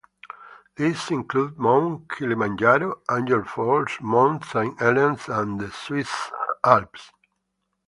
These included Mount Kilimanjaro, Angel Falls, Mount Saint Helens, and the Swiss Alps.